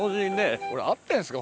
これ合ってるんですか？